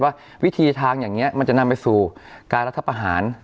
ว่าวิธีทางอย่างนี้มันจะนำไปสู่การรัฐประหาร